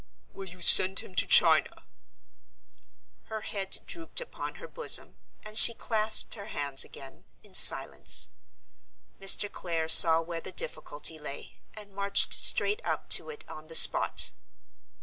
"Will you send him to China?" Her head drooped upon her bosom, and she clasped her hands again, in silence. Mr. Clare saw where the difficulty lay, and marched straight up to it on the spot.